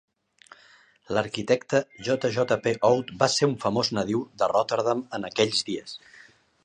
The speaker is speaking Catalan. L'arquitecte J.J.P. Oud va ser un famós nadiu de Rotterdam en aquells dies.